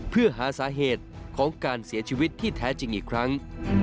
เพื่อหาสาเหตุของการเสียชีวิตที่แท้จริงอีกครั้ง